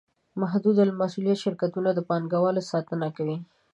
محدودالمسوولیت شرکتونه د پانګوالو ساتنه کوي.